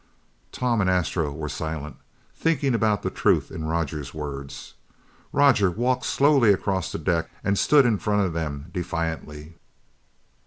Tom and Astro were silent, thinking about the truth in Roger's words. Roger walked slowly across the deck and stood in front of them defiantly.